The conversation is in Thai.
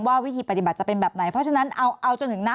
วิธีปฏิบัติจะเป็นแบบไหนเพราะฉะนั้นเอาจนถึงนะ